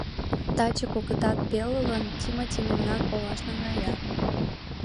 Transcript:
Таче кокытат пелылан Тимоти мемнам олаш наҥгая.